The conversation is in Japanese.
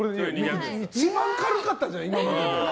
一番軽かったんじゃない今までで。